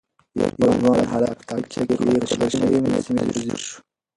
يو ځوان هلک په تاقچه کې ايښودل شوې مجسمې ته ځير شو.